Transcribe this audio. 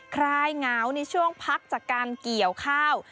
คลายเหงาในช่วงพักจากการเกี่ยวข้าว